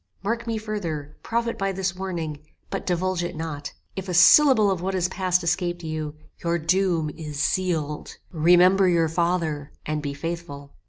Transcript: Mark me further; profit by this warning, but divulge it not. If a syllable of what has passed escape you, your doom is sealed. Remember your father, and be faithful."